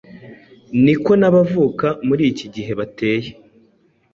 niko n’abavuka muri iki gihe bateye